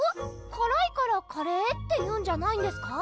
からいからカレーっていうんじゃないんですか？